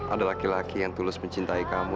ada laki laki yang tulus mencintai kamu